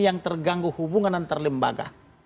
yang terganggu hubungan antar lembaga